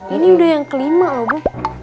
ini udah yang kelima loh bu